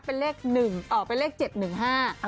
เป็นเลขหนึ่งเอ่อเป็นเลขเจ็ดหนึ่งห้า